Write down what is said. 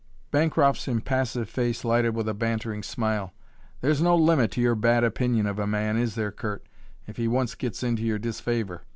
Bancroft's impassive face lighted with a bantering smile. "There's no limit to your bad opinion of a man, is there, Curt, if he once gets into your disfavor?